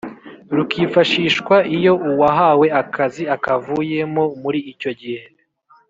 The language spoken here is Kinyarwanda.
rukifashishwa iyo uwahawe akazi akavuyemo muri icyo gihe.